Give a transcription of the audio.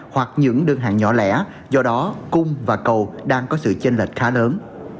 hoặc những đơn hàng nhỏ lẻ do đó cung và cầu đang có sự chênh lệch khá lớn